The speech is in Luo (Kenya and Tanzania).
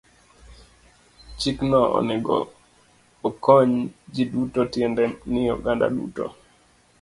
Chikno onego okony ji duto, tiende ni oganda duto.